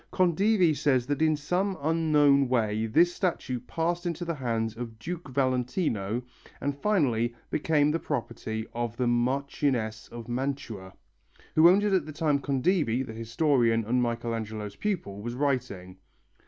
Condivi says that in some unknown way this statue passed into the hands of Duke Valentino, and finally became the property of the Marchioness of Mantua, who owned it at the time Condivi, the historian and Michelangelo's pupil, was writing.